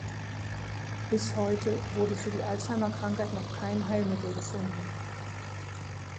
Bis heute wurde für die Alzheimer-Krankheit noch kein Heilmittel gefunden.